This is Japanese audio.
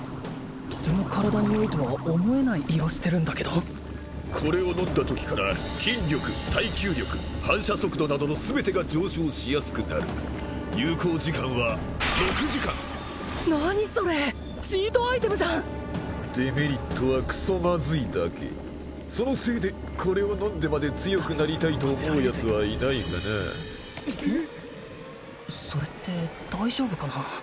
とても体によいとは思えない色してるんだけどこれを飲んだときから筋力耐久力反射速度などの全てが上昇しやすくなる有効時間は６時間何それチートアイテムじゃんデメリットはクソマズいだけそのせいでこれを飲んでまで強くなりたいと思うヤツはいないがなそれって大丈夫かな？